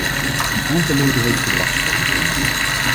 Een aantal leden heeft gedragscodes genoemd.